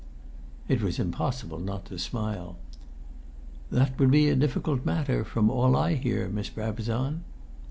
It was impossible not to smile. "That would be a difficult matter, from all I hear, Miss Brabazon."